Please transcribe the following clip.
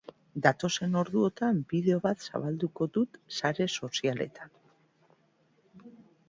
Datozen orduotan bideo bat zabalduko dut sare sozialetan.